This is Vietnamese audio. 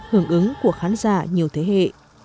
hưởng ứng của khán giả nhiều thế hệ